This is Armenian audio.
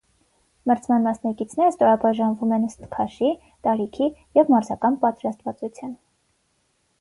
Մրցման մասնակիցները ստորաբաժանվում են ըստ քաշի, տարիքի ու մարզական պատրաստվածության։